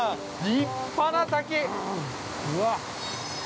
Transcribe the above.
立派な滝！